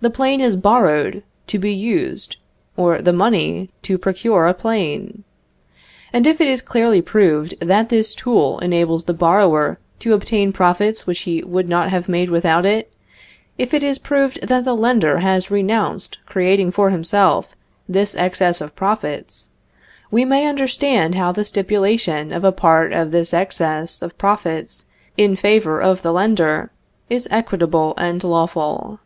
The plane is borrowed to be used, or the money to procure a plane. And if it is clearly proved that this tool enables the borrower to obtain profits which he would not have made without it, if it is proved that the lender has renounced creating for himself this excess of profits, we may understand how the stipulation of a part of this excess of profits in favor of the lender, is equitable and lawful.